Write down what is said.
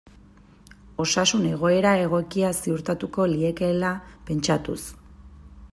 Osasun egoera egokia ziurtatuko liekeela pentsatuz.